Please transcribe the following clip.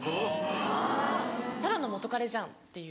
・あぁ・ただの元カレじゃんっていう。